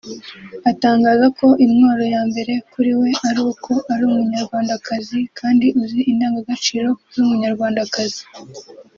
atangaza ko intwaro ya mbere kuri we ari uko ari umunyarwandakazi kandi uzi indangagaciro z’umunyarwandakazi